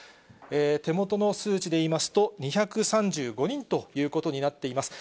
手元の数値でいいますと、２３５人ということになっています。